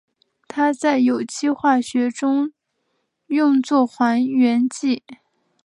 它在有机化学中用作还原剂。